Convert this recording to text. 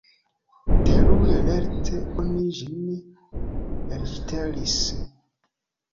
Terure lerte oni ĝin elŝtelis.